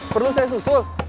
perlu saya susul